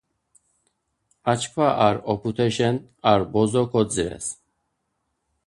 Açkva ar oput̆eşen ar bozo kodzires.